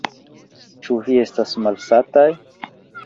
Ĉu vi estas malsataj?